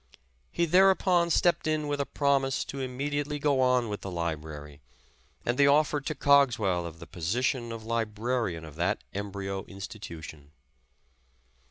He thereupon stepped in with a promise to immediately go on with the library, and the offer to Cogswell of the position of librarian of that embryo institution.